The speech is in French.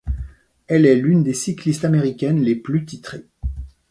Elle est l'une des cyclistes américaines les plus titrées.